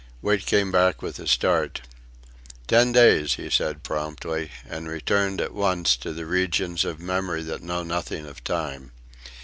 Wait came back with a start. "Ten days," he said, promptly, and returned at once to the regions of memory that know nothing of time.